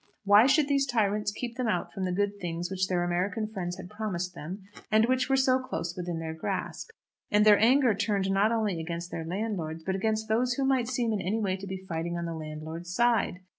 Why should these tyrants keep them out from the good things which their American friends had promised them, and which were so close within their grasp? And their anger turned not only against their landlords, but against those who might seem in any way to be fighting on the landlords' side.